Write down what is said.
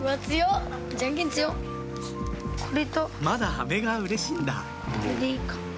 まだアメがうれしいんだ